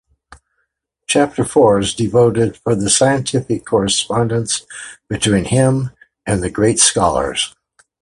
Chapter four is devoted for the scientific correspondence between him and the great scholars.